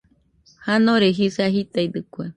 Janore jisa jitaidɨkue.